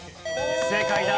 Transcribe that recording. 正解だ。